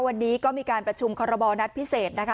วันนี้ก็มีการประชุมคอรมอนัดพิเศษนะคะ